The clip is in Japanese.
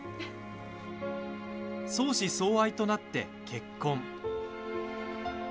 相思相愛となって結婚。